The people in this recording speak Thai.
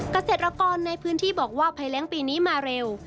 เกษตรกรในพื้นที่บอกว่าภัยแรงปีนี้มาเร็ว